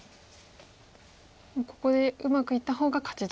もうここでうまくいった方が勝ちと。